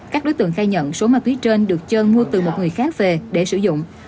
các đối tượng khai nhận số ma túy trên được trơn mua từ một người khác về để sử dụng